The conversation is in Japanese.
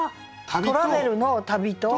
トラベルの「旅」と。